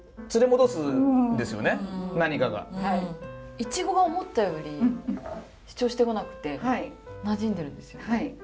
いちごが思ったより主張してこなくてなじんでるんですよね。